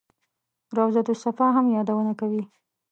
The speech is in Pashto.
روضته الصفا هم یادونه کوي.